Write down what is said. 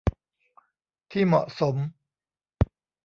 ที่เหมาะสม